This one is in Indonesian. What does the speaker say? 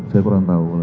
saya kurang tahu